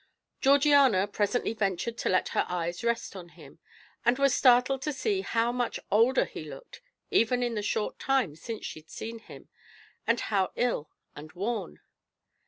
Georgiana presently ventured to let her eyes rest on him, and was startled to see how much older he looked even in the short time since she'd seen him, and how ill and worn.